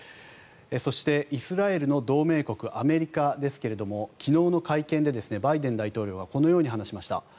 そして、イスラエルの同盟国アメリカですが昨日の会見でバイデン大統領はこのように話しました。